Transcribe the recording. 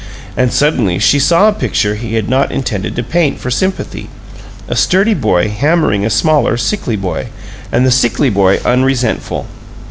And suddenly she saw a picture he had not intended to paint for sympathy: a sturdy boy hammering a smaller, sickly boy, and the sickly boy unresentful.